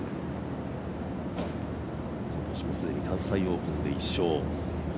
今年既に関西オープンで１勝。